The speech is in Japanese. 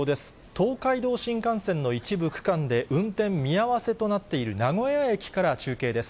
東海道新幹線の一部区間で運転見合わせとなっている名古屋駅から中継です。